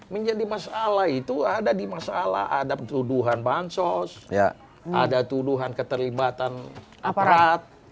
menjadi masalah itu ada di masalah ada tuduhan bansos ada tuduhan keterlibatan aparat